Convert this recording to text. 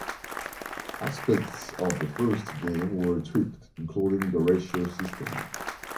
Aspects of the first game were tweaked, including the Ratio system.